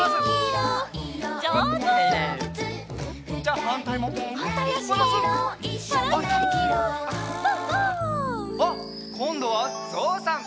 あっこんどはぞうさん！